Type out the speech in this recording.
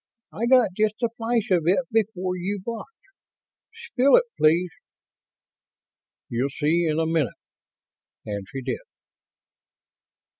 I got just a flash of it before you blocked. Spill it, please." "You'll see in a minute." And she did.